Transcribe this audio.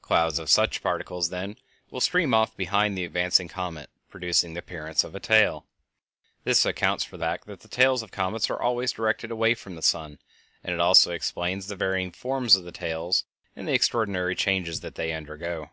Clouds of such particles, then, will stream off behind the advancing comet, producing the appearance of a tail. This accounts for the fact that the tails of comets are always directed away from the sun, and it also explains the varying forms of the tails and the extraordinary changes that they undergo.